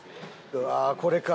うわーこれか。